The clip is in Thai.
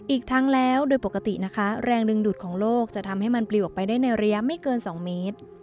อีกทั้งแล้วโดยปกตินะคะแรงดึงดูดของโลกจะทำให้มันปลิวออกไปได้ในระยะไม่เกิน๒เมตร